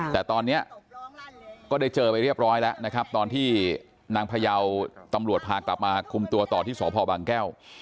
แต่ตอนนี้ก็ได้เจอไปเรียบร้อยแล้วนะครับตอนที่นางพยาวตำรวจพากลับมาคุมตัวต่อที่สพบางแก้ว